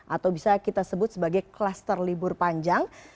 atau bisa kita sebut sebagai kluster libur panjang